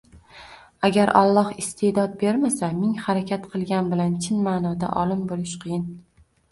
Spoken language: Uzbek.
Agar Alloh isteʼdod bermasa, ming harakat qilgan bilan chin maʼnoda olim bo‘lish qiyin.